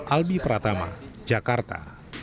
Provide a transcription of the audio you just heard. albi pratama jakarta